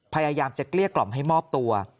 พยายามจะเกลี้ยกล่อมให้มอบตัว